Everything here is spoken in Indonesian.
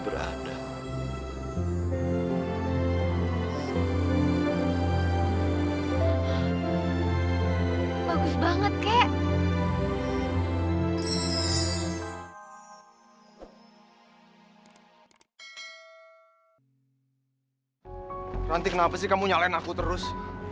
ranti kenapa sih kamu nyalain aku terus